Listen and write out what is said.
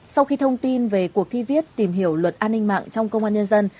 sau khi thông tin về cuộc thi viết tìm hiểu luật an ninh mạng trong công an nhân dân